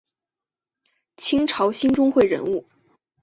清朝兴中会人物。